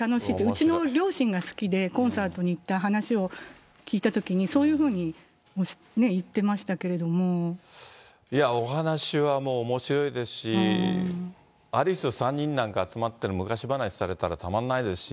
うちの両親が好きで、コンサートに行った話を聞いたときに、そういや、お話はおもしろいですし、アリス３人なんか集まって、昔話されたらたまんないですし。